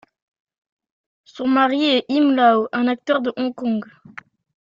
Son mari est Him Law, un acteur de Hong Kong.